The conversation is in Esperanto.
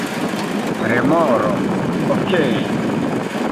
Remoro: "Okej."